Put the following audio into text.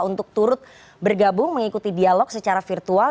untuk turut bergabung mengikuti dialog secara virtual